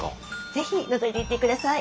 是非のぞいていってください。